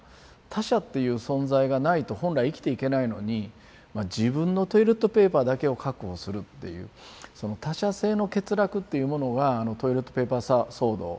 他者っていう存在がないと本来生きていけないのに自分のトイレットペーパーだけを確保するっていうその他者性の欠落っていうものがあのトイレットペーパー騒動。